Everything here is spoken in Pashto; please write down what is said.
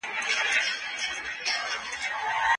« زېږېدلی د ځنګله په رنګ چغال وي»